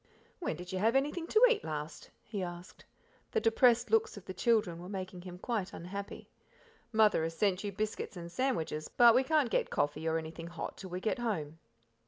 "When did you have anything to eat last?" he asked; the depressed looks of the children were making him quite unhappy. "Mother has sent you biscuits and sandwiches, but we, can't get coffee or anything hot till we get home."